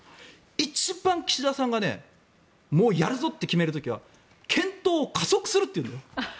一番、岸田さんがもうやるぞって決める時は検討を加速するって言うんです。